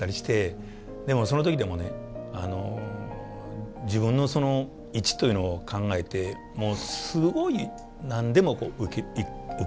でもその時でもね自分のその位置というのを考えてもうすごい何でも受け入れる。